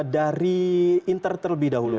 dari inter terlebih dahulu